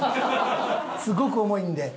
すごく重いんで。